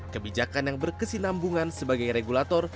kebijakan yang berkesinambungan sebagai regulator